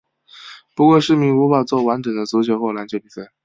不过市民无法作完整的足球或篮球比赛。